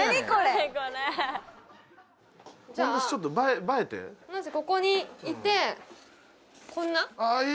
これじゃあまずここにいてこんな？